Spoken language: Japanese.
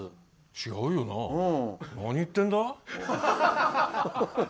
違うよね何言ってんだ？